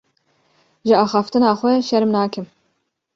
Ji axiftina xwe şerm nakim.